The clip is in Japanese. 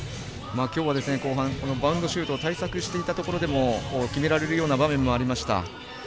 きょうは後半バウンドシュート対策していたところでも決められるような場面がありました。